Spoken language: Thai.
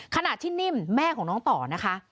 ขณะที่นิ่มแม่ของน้องต่อนะคะ